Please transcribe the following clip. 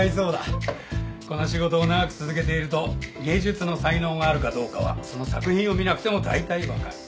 この仕事を長く続けていると芸術の才能があるかどうかはその作品を見なくてもだいたい分かる。